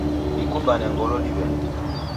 Dikumbane ngolo diweni